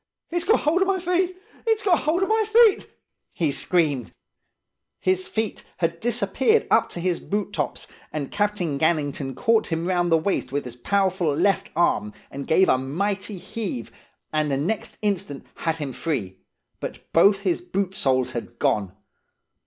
"'It's got hold of my feet! It's got hold of my feet!' he screamed. His feet, had disappeared up to his boot tops, and Captain Gannington caught him round the waist with his powerful left arm, gave a mighty heave, and the next instant had him free; but both his boot soles had gone.